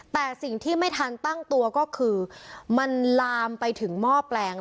แต่สิ่งที่ไม่ทันตั้งตัวก็คือมันลามไปถึงหม้อแปลง